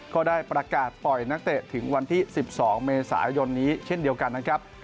ก็ได้ประกาศปล่อยนักเตะถึงวันที่๑๒เมษายนนี้เช่นเดียวกันนะครับ